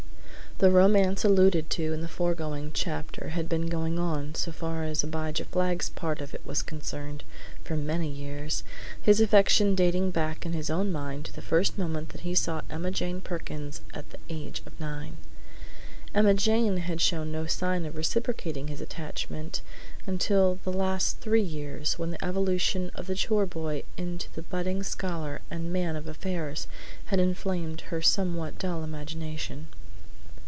II The romance alluded to in the foregoing chapter had been going on, so far as Abijah Flagg's part of it was concerned, for many years, his affection dating back in his own mind to the first moment that he saw Emma Jane Perkins at the age of nine. Emma Jane had shown no sign of reciprocating his attachment until the last three years, when the evolution of the chore boy into the budding scholar and man of affairs had inflamed even her somewhat dull imagination.